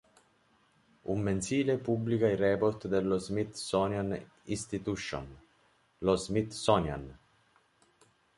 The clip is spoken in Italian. Un mensile pubblica i report dello Smithsonian Institution: lo "Smithsonian".